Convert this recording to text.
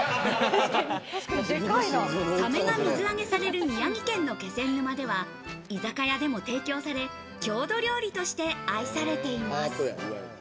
サメが水揚げされる宮城県の気仙沼では、居酒屋でも提供され、郷土料理として愛されています。